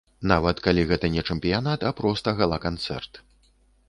Нават калі гэта не чэмпіянат, а проста гала-канцэрт.